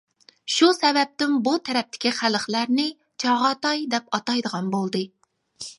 شۇ سەۋەبتىن بۇ تەرەپتىكى خەلقلەرنى «چاغاتاي» دەپ ئاتايدىغان بولدى.